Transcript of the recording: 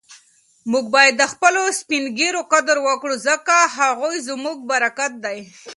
موږ باید د خپلو سپین ږیرو قدر وکړو ځکه هغوی زموږ برکت دی.